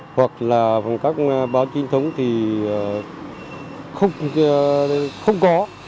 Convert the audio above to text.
hoặc là bằng các báo chính thống thì không có